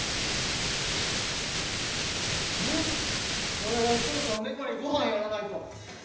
俺そろそろ猫にごはんやらないと。